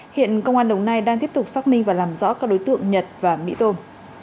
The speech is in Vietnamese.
hiện công an đồng nai đang tiếp tục xác minh và làm rõ các đối tượng nhật và mỹ tôm